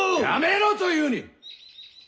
やめろというに！